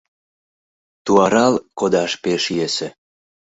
Туарал кодаш пеш йӧсӧ.